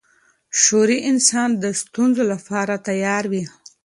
شعوري انسان د ستونزو لپاره تیار وي.